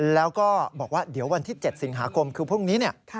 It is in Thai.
แล้วก็บอกว่าเดี๋ยววันที่๗สิงหาคมคือพรุ่งนี้